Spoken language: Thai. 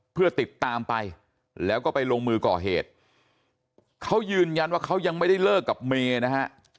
เพื่อติดตามไปแล้วก็ไปลงมือก่อเหตุเขายืนยันว่าเขายังไม่ได้เลิกกับเมย์นะฮะ